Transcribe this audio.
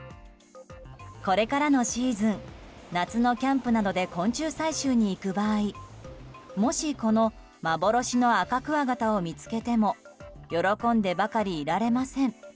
これからのシーズン夏のキャンプなどで昆虫採集に行く場合もし、この幻の赤いクワガタを見つけても喜んでばかりいられません。